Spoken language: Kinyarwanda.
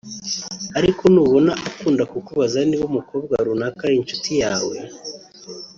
Ariko nubona akunda kukubaza niba umukobwa runaka ari inshuti yawe